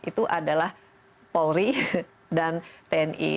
itu adalah polri dan tni